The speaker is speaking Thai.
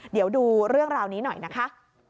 เดี๋ยวดูเรื่องราวนี้หน่อยนะคะ